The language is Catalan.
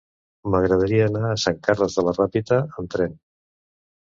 M'agradaria anar a Sant Carles de la Ràpita amb tren.